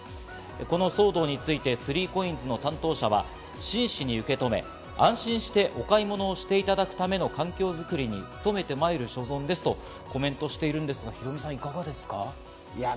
この騒動について３ＣＯＩＮＳの担当者は真摯に受け止め、安心してお買い物をしていただくための環境づくりに努めてまいる所存ですとコメントしているんですがヒロミさん、いかがですか？